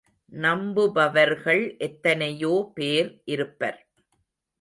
நம்புபவர்கள் எத்தனையோ பேர் இருப்பர்.